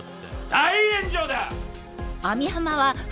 大炎上だ！